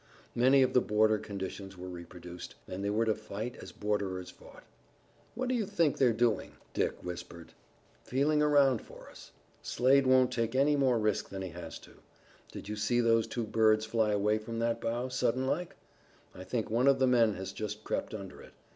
Many of the border conditions were reproduced, and they were to fight as borderers fought. "What do you think they're doing?" Dick whispered. "Feeling around for us. Slade won't take any more risk than he has to. Did you see those two birds fly away from that bough, sudden like? I think one of the men has just crept under it.